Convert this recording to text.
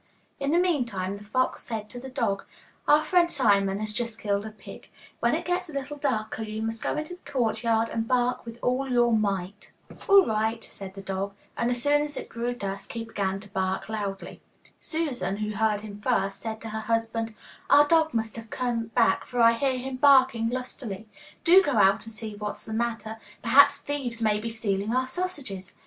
In the meantime the fox said to the dog, 'Our friend Simon has just killed a pig; when it gets a little darker, you must go into the courtyard and bark with all your might.' 'All right,' said the dog, and as soon as it grew dusk he began to bark loudly. Susan, who heard him first, said to her husband, 'Our dog must have come back, for I hear him barking lustily. Do go out and see what's the matter; perhaps thieves may be stealing our sausages.